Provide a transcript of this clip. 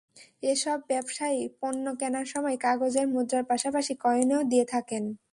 এসব ব্যবসায়ী পণ্য কেনার সময় কাগজের মুদ্রার পাশাপাশি কয়েনও দিয়ে থাকেন।